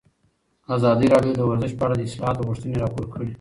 ازادي راډیو د ورزش په اړه د اصلاحاتو غوښتنې راپور کړې.